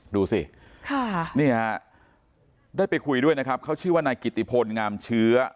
ดูสิค่ะนี่ฮะได้ไปคุยด้วยนะครับเขาชื่อว่านายกิติพลงามเชื้อ